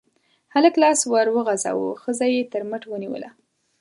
هلک لاس ور وغزاوه، ښځه يې تر مټ ونيوله.